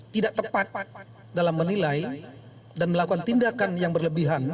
tidak tepat dalam menilai dan melakukan tindakan yang berlebihan